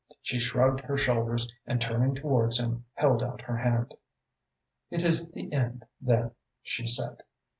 She shrugged her shoulders, and turning towards him, held out her hand. "It is the end, then," she said.